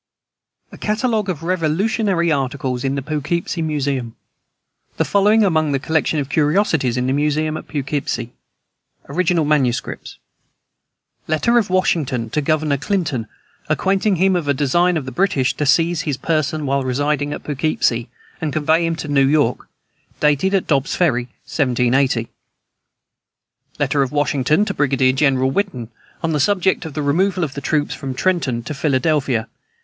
A CATALOGUE OF REVOLUTIONARY ARTICLES IN THE POUGHKEEPSIE MUSEUM. The following are among the Collection of Curiosities in the Museum at Poughkeepsie: ORIGINAL MANUSCRIPTS. Letter of Washington to Governor Clinton, acquainting him of a design of the British to seize his person while residing at Poughkeepsie, and convey him to New York. Dated at Dobbs's Ferry, 1780. Letter of Washington to Brigadier General Whiten on the subject of the removal of the troops from Trenton to Philadelphia.